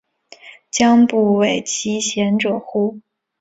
将不讳其嫌者乎？